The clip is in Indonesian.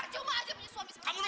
cuma aja punya suami sama dia